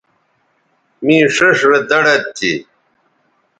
می ݜیئݜ رے دڑد تھی